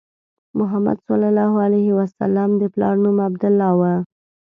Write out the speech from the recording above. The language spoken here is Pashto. محمد صلی الله علیه وسلم د پلار نوم عبدالله و.